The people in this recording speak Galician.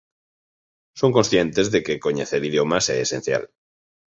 Son conscientes de que coñecer idiomas é esencial